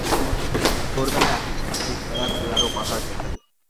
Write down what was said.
ভোরবেলায় আকাশের গায়ে নীলাভ গারো পাহাড় দেখা যায়।